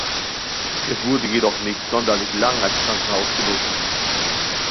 Es wurde jedoch nicht sonderlich lang als Krankenhaus genutzt.